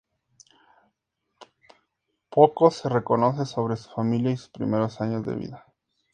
Poco se conoce sobre su familia o sus primeros años de vida.